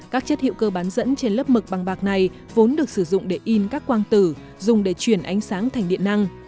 các chất hữu cơ bán dẫn trên lớp mực bằng bạc này vốn được sử dụng để in các quang tử dùng để chuyển ánh sáng thành điện năng